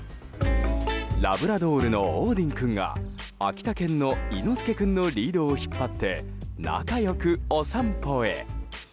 ラブラドルのオーディン君が秋田犬の猪之助君のリードを引っ張って仲良くお散歩へ。